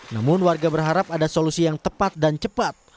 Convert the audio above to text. namun warga berharap ada solusi yang tepat dan cepat